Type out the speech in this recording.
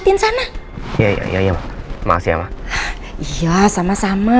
terima kasih ma